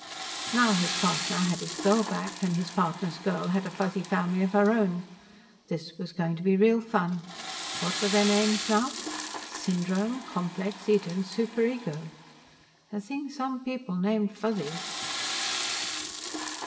Now his partner had his girl back, and his partner's girl had a Fuzzy family of her own. This was going to be real fun. What were their names now? Syndrome, Complex, Id and Superego. The things some people named Fuzzies!